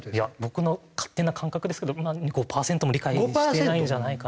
僕の勝手な感覚ですけど５パーセントも理解してないんじゃないかなと。